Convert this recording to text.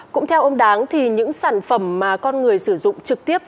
cũng theo ông đáng thì những sản phẩm mà con người sử dụng trực tiếp